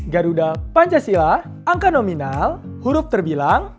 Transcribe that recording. garuda pancasila angka nominal huruf terbilang